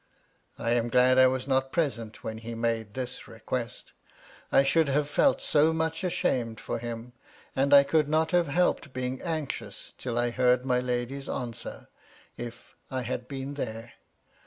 I am glad I was not present when he made this request ; I should have felt so much ashamed for him. 334 MY LADY LUDLOW. and I could not have helped being anxious till I heard my lady's answer, if I had been there.